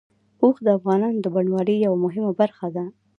اوښ د افغانستان د بڼوالۍ یوه مهمه برخه ده.